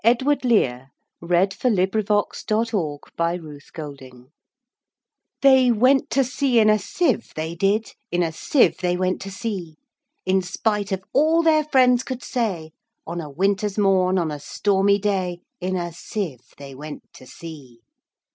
Edward Lear 1812–88 The Jumblies Lear Edw THEY went to sea in a sieve, they did; In a sieve they went to sea; In spite of all their friends could say, On a winter's morn, on a stormy day, In a sieve they went to sea.